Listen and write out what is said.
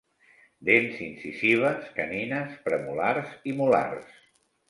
Dents incisives, canines, premolars i molars.